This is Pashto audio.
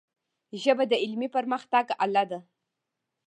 ژبه د علمي پرمختګ آله ده.